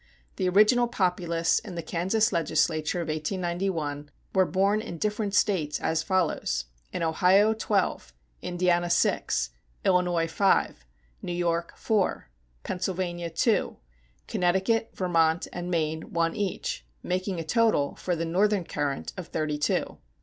The original Populists in the Kansas legislature of 1891 were born in different States as follows: in Ohio, twelve; Indiana, six; Illinois, five; New York, four; Pennsylvania, two; Connecticut, Vermont, and Maine, one each, making a total, for the Northern current, of thirty two.